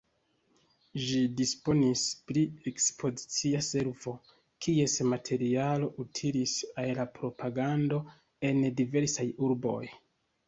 Ĝi disponis pri Ekspozicia Servo, kies materialo utilis al la propagando en diversaj urboj.